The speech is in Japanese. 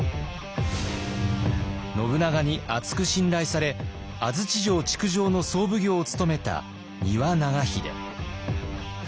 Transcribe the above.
信長に厚く信頼され安土城築城の総奉行を務めた丹羽長秀。